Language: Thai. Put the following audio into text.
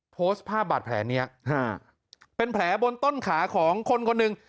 โพสต์ภาพบาดแผลนี้เป็นแผลบนต้นขาของคนคนหนึ่ง